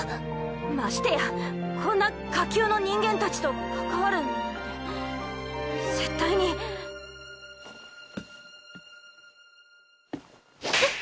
ましてやこんな下級の人間たちと関わるなんて絶対に。バシッ！うっ！